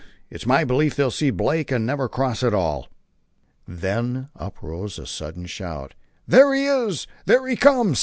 It's my belief they'll see Blake and never cross at all." Then up rose a sudden shout. "There he is!" "There he comes!"